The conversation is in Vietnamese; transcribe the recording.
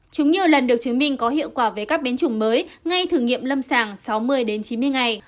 chúng nhiều lần được chứng minh có hiệu quả về các biến chủng mới ngay thử nghiệm lâm sàng sáu mươi đến chín mươi ngày